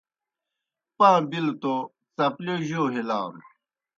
پاں بِلوْ توْ څپلِیؤ جو ہِلانوْ